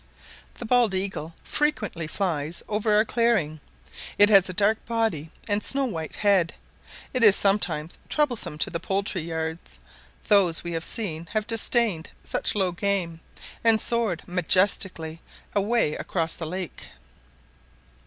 The bald eagle frequently flies over our clearing; it has a dark body, and snow white head. It is sometimes troublesome to the poultry yards: those we have seen have disdained such low game, and soared majestically away across the lake.